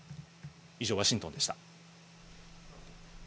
以上、ワシントンでした。